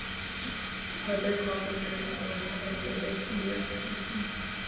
Other copper bearing ores have been noted near Paterson.